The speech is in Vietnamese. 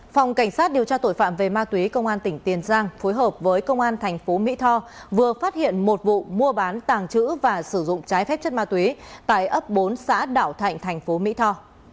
phòng cảnh sát điều tra tội phạm về ma túy công an tỉnh tiền giang phối hợp với công an thành phố mỹ tho vừa phát hiện một vụ mua bán tàng trữ và sử dụng trái phép chất ma túy tại ấp bốn xã đảo thạnh thành phố mỹ tho